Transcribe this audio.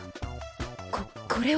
ここれは。